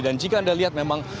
dan jika anda lihat